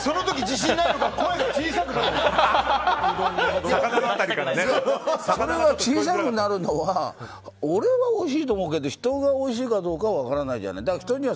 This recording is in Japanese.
声が小さくなるのは俺はおいしいと思うけど人がおいしいかどうかは分からないじゃない。